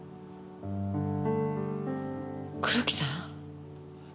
黒木さん？